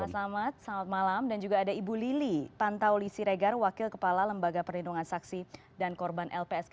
mas selamat selamat malam dan juga ada ibu lili tantau lisi regar wakil kepala lembaga pernindungan saksi dan korban lpsk